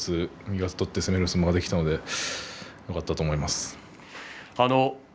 全部左四つ右四つとって攻める相撲ができたのでよかったと思います。